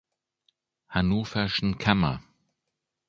Hannoverschen Kammer.